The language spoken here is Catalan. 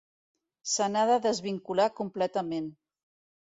Se n’ha de desvincular completament.